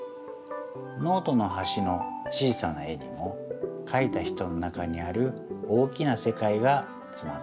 ノートのはしの小さな絵にもかいた人の中にある大きなせかいがつまっています。